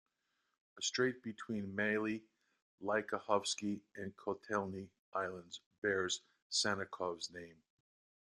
A strait between Maly Lyakhovsky and Kotelny islands bears Sannikov's name.